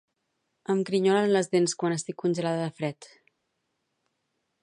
Em grinyolen les dents quan estic congelada de fred